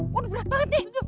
waduh berat banget nih